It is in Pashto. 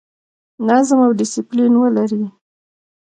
نظم او ډیسپلین ولرئ